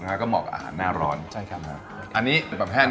แล้วก็เหมาะกับอาหารหน้าร้อนใช่ครับอันนี้เป็นประเภท